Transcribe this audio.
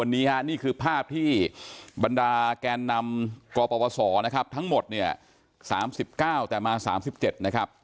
นี่ฮะนี่คือภาพที่บรรดาแกนนำกปศนะครับทั้งหมดเนี่ย๓๙แต่มา๓๗นะครับ